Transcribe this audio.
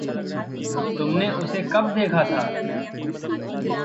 तुमने उसे कब देखा था?